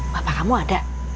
bapak kamu ada